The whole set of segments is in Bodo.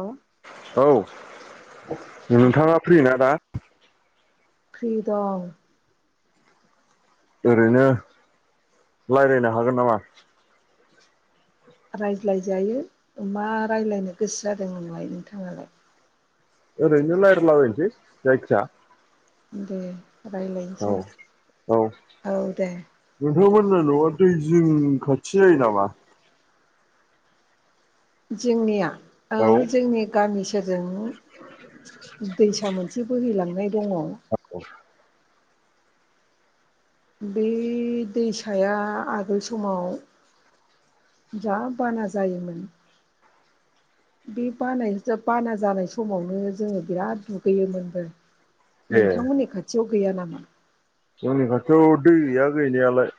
अ औ नोंथाङा फ्रि ना दा? फ्रि दं। ओरैनो रायज्लायनो हागोन नामा? रायज्लाय जायो मा रायज्लायनो गोसो जादों नोंलाय नोंथाङालाय? ओरैनो रायलाय ला बायनोसै जायखिजाय दे औ रायज्लायनोसै औ औ दे नोंथांमोनना न'आ दै जिं खाथि जायो नामा? जोंनिया औ जोंनि गामि सेरजों दैसा मोनसे बोहैलांनाय दङ बेै दैसाया आगोल समाव जा बाना जायोमोन बे बानाय बाना जानाय समावनो जोङो बिराद दुगैयोमोनबो ए नोंथांमोननि खाथियाव गैया नामा? जोंनि खाथियाव दै गैया गैनायालाय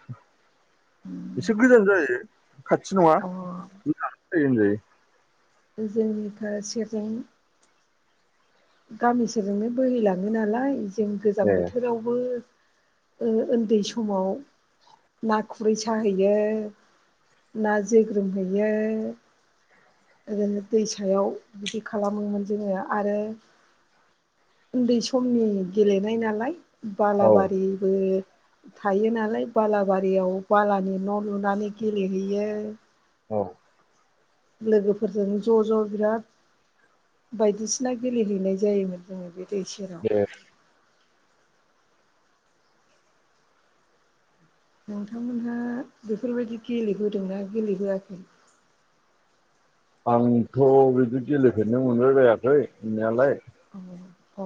एसे गोजान जायो। खाथि नङा अ [unintelligible] होनजायो। जोंनि खा सेरजों गामिसेरजोंनो बोहैलाङो नालाय जों गोजां ए बोथोरावबो ओ उन्दै समाव ना खुरै साहैयो, ना जोग्रोमहैयो, ओरैनो दैसायाव बिदि खालामोमोन जोङो आरो उन्दै समनि गेलेनाय नालाय औ बालाबारिबो थायो नालाय बालाबारियाव बालानि न' लुनानै गेलेहैयो औ लोगोफोरजों ज' ज' बिराद बायदिसिना गेलेहैनाय जायोमोन जोङो बे दै सेराव दे नोंथांमोनहा बेफोरबायदि गेलेबोदोंना गेलेबोयाखै? आंथ' बिदि गेलेफेरनो मोनबायबायाखै मोननायालाय औ अ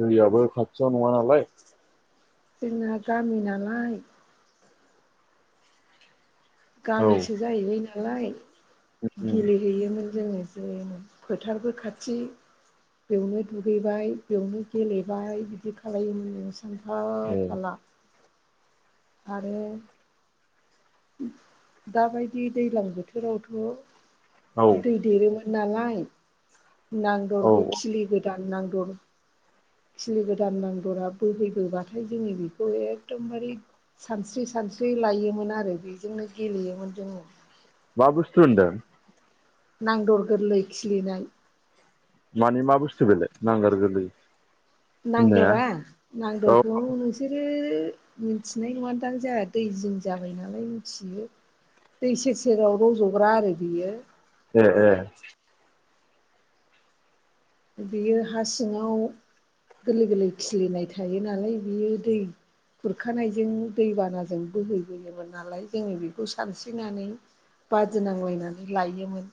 दैयाबो खथियाव नङा नालाय जोंना गामि नालाय औ गामिसो जाहैबाय नालाय गेलेहैयोमोन जोङो [unintelligible] फोथारबो खाथि बेयावनो दुगैबाय बेयावनो गेलेबाय बिदि खालायोमोन हान्था ए थाला आरो दा बायदि दैलां औ बोथोरावथ' दै देरोमोन नालाय औ नांदर बे खिलि गोदान नां दर खिलि गोदान नांदरा बोहैबोबाथाय जोङो बेखौ एखदमबारि सानस्रि सानस्रि लायोमोन आरो बेजोंनो गेलेयोमोन जोङो मा बुस्थु होनदों नांदर गोरलै खिलिनाय माने मा बुस्थु बेले नांगार गोरलै होननाया नांदरा औ नांदरखौ नोंसोरो ओ मिथिनाय नङान्दां जाहा दै जिं जाबाय नालाय मिथियो दै सेर सेराव रज'ग्रा आरो बियो ए ए बियो हा सिङाव गोरलै गोरलै खिलिनाय थायो नालाय बियो दै खुरखानायजों दैबानाजों बोहैबोयोमोन नालाय जोङो बेखौ सानस्रिनानै बादिनांलायनानै लायोमोन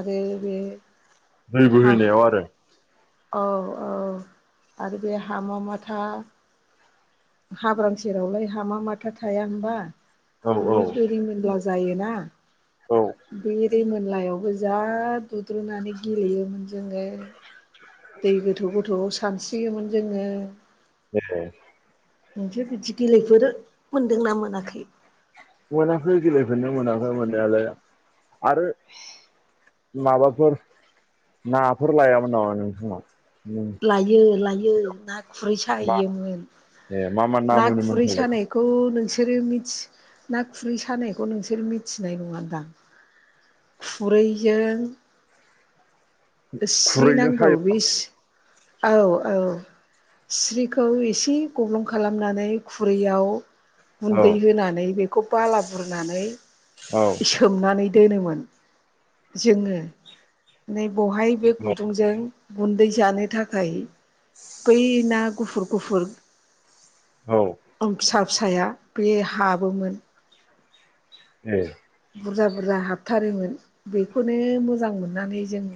आरो बे दै हा बोहैनायाव आरो औ औ आरो बे हामा माथा हाब्रां सेरावलाय हामा माथा थाया होनबा औ औ बेयो रिमेनला जायोना औ बे रिमोनलायावबो जा दुद्रुनानै गेलेयोमोन जोङो दै गोथौ गोथौआव सानस्रियोमोन जोङो [inaudible] नोंसोर बिदि गेलेबोदो मोनदोंना मोनाखै? मोनाखै गेलेफेरनो मोनाखै मोननायालाय आरो माबाफोर नाफोर लायामोन नामा नोंसिनाव लायो लायो ना खुरै मा साहैयोमोन ए मा मा ना मोनोमोन खुरै फालाय सानायखौ नोंसो नोंसोरो मि ना खुरै सानायखौ नोंसोर मिथिनाय नङा दां? खुरैजों स्रि खुरैजों नांगौ सायोमोन बि औ औ। स्रिखौ एसे गब्लं खालामनानै खुरैयाव औ गुन्दै होनानै बेखौ बाला बुरनानै औ सोमनानै दोनोमोन। जोङो नै बहाय बे गुदुंजों गुन्दै जानो थाखाय बै ना गुफुर गुफुर औ उम फिसा फिसाया बे हाबोमोन। ए बुरजा बुरजा हाबथारोमोन बेखौनो मोजां मोननानै जों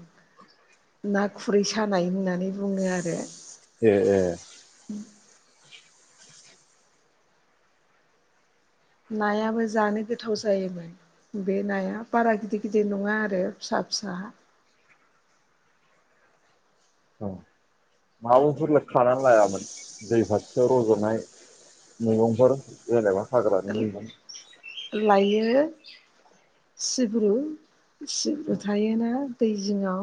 ना खुरै सानाय होननानै बुङो आरो। ए ए नायाबो जानो गोथाव जायोमो बे नाया बारा गिदिर गिदिर नङा आरो फिसा फिसा औ माबाफोरल' खानानै लायामोन दै फारथियाव रज'नाय मैगंफोर जेनेबा हाग्रानि मैगं लायो। सिब्रु सिब्रु थायोना दै जिङाव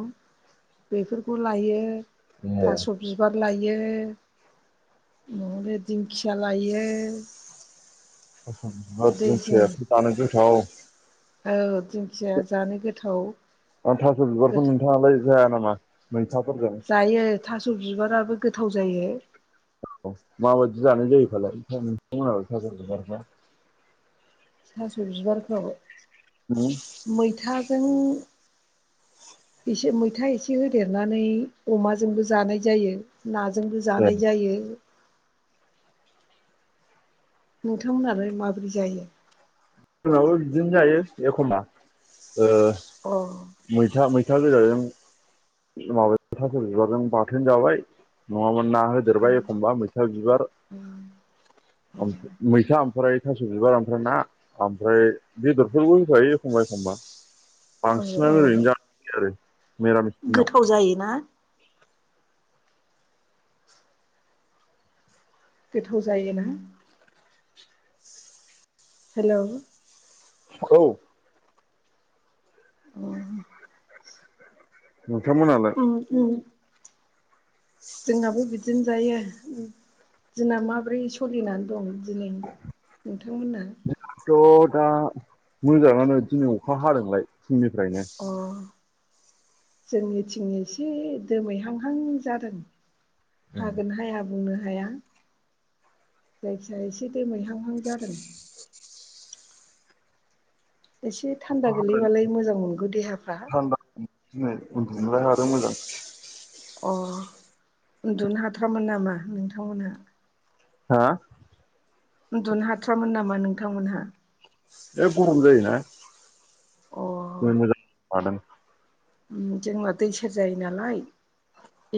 बेफोरखौ लायो ए थास' बिबार लायो। लायो दिंखिया लायो। दस जानो दै जोंथाव जिं औ [unintelligible] [inaudible] औ दिंखिया जानो गोथाव। थास' बिबारखौ नोंथाङालाय जाया नामा? मैथाफोरजों जायो थास' बिबाराबो गोथाव जायो। औ माबायदि जानाय जायो फालाय। नोंथांमोनाबो थास बिबारखौ थास' बिबारखौ उम ए मैथाजों। एसे मैथा एसे होदेरनानै अमाजोंबो जानाय जायो। नाजोंबो जानाय जायो। नोंथांमोनहालाय माबोरै जायो? जोंनावो बिदिनो जायो एखमबा ओ मैथा मैथ मैथा गोजाजों माब थास' बिबाजों बाथोन जाबाय नङाबा ना होदेरबाय एखमबा मैथा बिबार मैथा ओमफ्राय थास' बिबार ओमफ्राय ना ओमफ्राय बेदरफोरबो होखायो एखमबा एखमबा अ औ बांसिनानो औ ओरैनो जायो आरो। मिरामिस दिनाव गोथाव जायोना? गोथाव जायोना? हेल'। औ। उम। नोंथांमोनालाय? जोंहाबो बिदिनो जायो। दिना माब्रै सोलिनानै दं? दिनै नोंथांमोना? थ' दा मोजाङानो दिनै अखा हादोंलाय फुंनिफ्रायनो जोंनिथिं एसे दोमैहांहां जादों। हागोनहाय बुंनो हाया जायखिाया एसे दोमैहांहां जादों। एसे अखा थान्दा हादों गोगलैबालाय मोजां मोनगौ देहाफ्रा। थान्दा दिनै उन्दुनोलाय आरो आरो मोजां। अ' उन्दुनो हाथारामोन नामा नोंथांमोनहा? हा। उन्दुनो हाथारामोन नामा नोंथांमोनहा? बे गरम जायोना अ [unintelligible] जोंना दै सेर जायो नालाय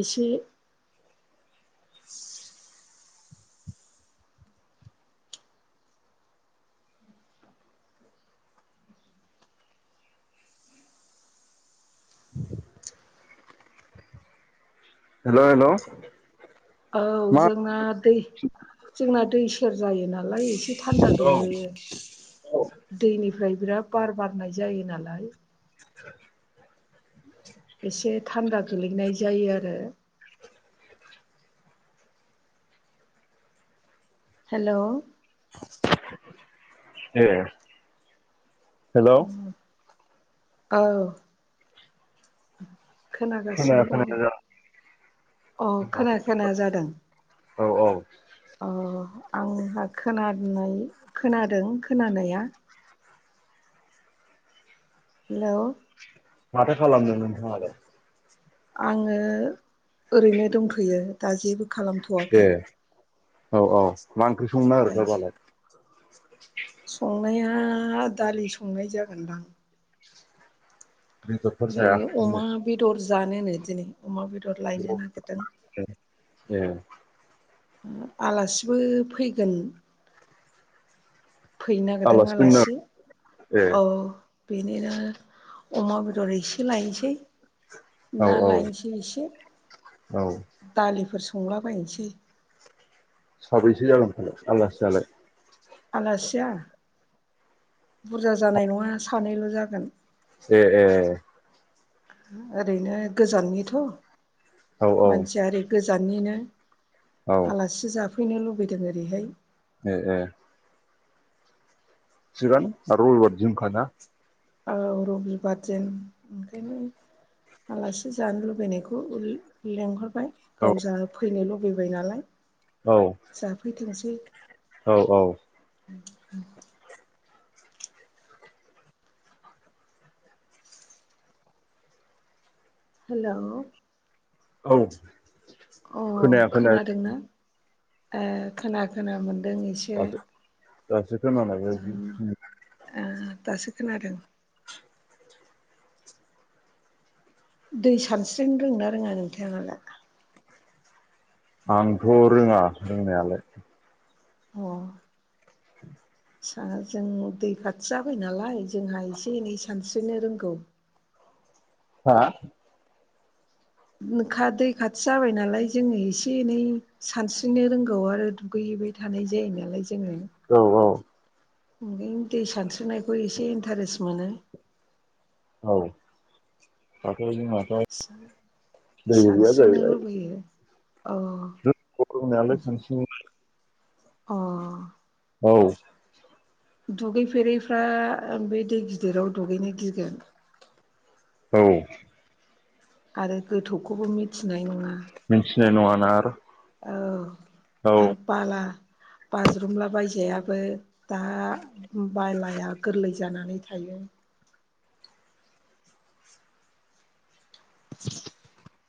एसे [inaudible] हेल' हेल' औ मा जोंना दै जोंना दै सेर जायो नालायसे एसे एसे थान्दा गोलैयो दैनिफ्राय बिराद बार बारनाय जायो नालाय। [unintelligible] एसे थान्दा गोलैनाय जायो आरो। हेल' ए हेल' औ खोनाया खोनागासिनो दं खोनाया अ' जादों खोनाया खोनाया जादों। औ औ अ आंहा खोना खोनादों खोनानाया हेलौ माथो खालामदों नोंथां आलाय आंङो ओरैनो दंथ'यो दा जेबो ए खालामथ'वाखै औ औ मा ओंख्रि संनो नागिरखो दायो दालाय संनाया दालि संनाय जागोनदां बेदरफोर बे जाया अमा दिनै बेदर जानोनो दिनै अमा बेदर लायनो नागिरदों ए आलासिबो फैगोन फैनो नागिरदों आलासि ए औ बेनिनो अमा बेदर एसे लायनिसै औ ना औ लायनोसै एसे औ दालिफोर संलाबायनोसै साबैसे जागोन फालाय आलासियालाय आलासिया बुरजा जानाय नङा सानैल' जागोन ए ए ओरैनो गोजाननिथ' औ औ मानसिया ओरै गोजाननिनो औ आलासि जाफैनो लुबैदों ओरैहाय ओ ओ थिगानो आरो रबिबार दिनखाना औ रबिबार दिन ओंखायनो आलासि जानो लुबैनायखौ लेंहर औ गाव जा फैनो लुबैबाय नालाय जाफैथोंसै औ औ [inaudible] हेलौ औ अ खोनाया खोनाया खोनादोंना ए खोनाया खोनाया मोन दों एसे दासो दासो खोना लायबाय ओ ओ दासो खोनादों दै सानस्रिनो रोंना रोङा नोंथां आलाय आंथ' रोङा रोंनायालाय अ [inaudible] जों दै खाथि जाबाय नालाय जोंहा एसे एनै सानस्रिनो रोंगौ [inaudible] हा खा दै खाथि जाबाय नालाय जोंङो एसे एनै सानस्रिनो रोंगौ आरो दुगैयो फैबाय थानाय जायो नालाय जोंङो औ औ ओमफ्राय दै सानस्रिनायखौ एसे इन्टारेस्ट मोनो औ जोंनाथ' दै गैया सानस्रिनो लुबैयो अ नायालाय सनसेनो अ औ दुगैफेरैफ्रा बे दै गिदिराव दुगैनो गिगोन औ आरो गोथौखौबो मिथिनाय नङा। मिथिनाय नङाना आरो। औ औ आरो पाला बाज्रुमला बायजायाबो दा बलाया गोरलै। जानानै थायो। [inaudible]